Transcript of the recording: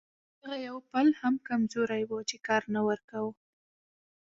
همدغه یو پل هم کمزوری و چې کار نه ورکاوه.